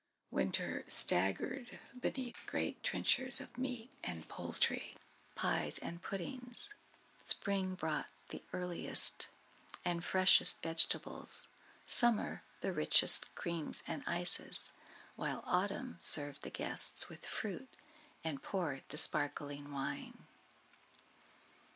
Winter staggered beneath great trenchers of meat and poultry, pies and puddings; Spring brought the earliest and freshest vegetables; Summer, the richest creams and ices; while Autumn served the guests with fruit, and poured the sparkling wine.